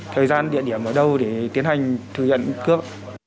thời gian địa điểm ở đâu để tiến hành thử nhận cướp